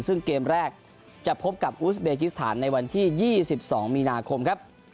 ซึ่งเกมแรกจะพบกับอูสเบกิสถานในวันที่๒๒มีนาคมครับ